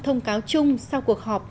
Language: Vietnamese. thông cáo chung sau cuộc họp